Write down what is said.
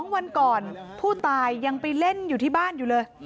วันก่อนผู้ตายยังไปเล่นอยู่ที่บ้านอยู่เลย